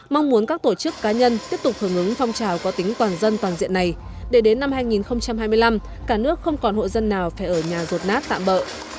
mong muốn các tổ chức cá nhân tiếp tục hưởng ứng phong trào có tính toàn dân toàn diện này để đến năm hai nghìn hai mươi năm cả nước không còn hộ dân nào phải ở nhà rột nát tạm bỡ